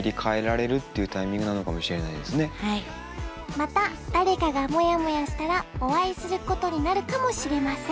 また誰かがもやもやしたらお会いすることになるかもしれません。